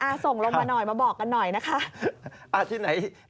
ส่งลงมาหน่อยมาบอกกันหน่อยนะคะ